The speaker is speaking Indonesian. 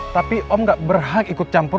tapi om gak berhak ikut campur